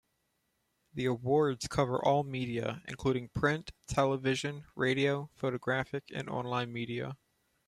The awards cover all media including print, television, radio, photographic and online media.